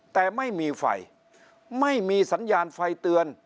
แต่ไม่มีไฟไม่มีสัญญาณไฟเตือน